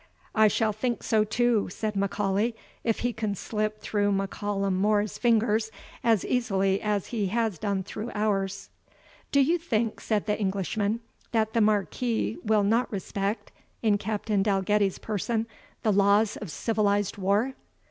"I shall think so too," said M'Aulay, "if he can slip through M'Callum More's fingers as easily as he has done through ours." "Do you think," said the Englishman, "that the Marquis will not respect, in Captain Dalgetty's person, the laws of civilized war?"